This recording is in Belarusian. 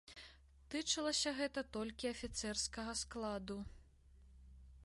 Тычылася гэта толькі афіцэрскага складу.